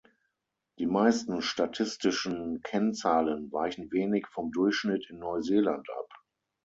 Die meisten statistischen Kennzahlen weichen wenig vom Durchschnitt in Neuseeland ab.